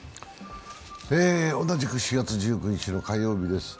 同じく４月１９日の火曜日です